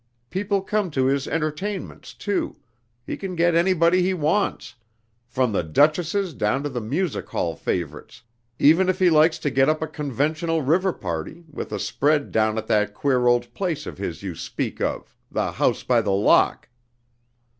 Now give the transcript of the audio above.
People come to his entertainments, too he can get anybody he wants from the duchesses down to the music hall favourites, even if he likes to get up a conventional river party, with a spread down at that queer place of his you speak of the House by the Lock."